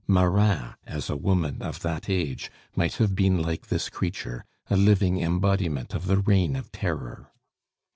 Marat, as a woman of that age, might have been like this creature, a living embodiment of the Reign of Terror.